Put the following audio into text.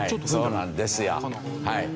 そうなんですよはい。